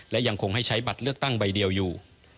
และยังคงให้ใช้บัตรเลือกตั้งใบเดียวอยู่